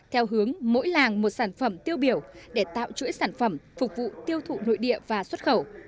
theo hướng mỗi làng một sản phẩm tiêu biểu để tạo chuỗi sản phẩm phục vụ tiêu thụ nội địa và xuất khẩu